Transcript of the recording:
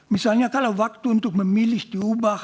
misalnya kalau waktu untuk memilih diubah